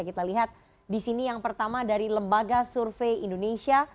kita lihat disini yang pertama dari lembaga survei indonesia